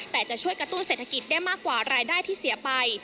แต่จะช่วยกระตุ้นเศรษฐกิจได้มากกว่ารายได้ที่เสียไป